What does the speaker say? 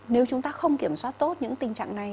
nếu chúng ta không kiểm soát tốt những tình trạng này